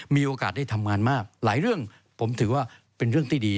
มีโอกาสได้ทำงานมากหลายเรื่องผมถือว่าเป็นเรื่องที่ดี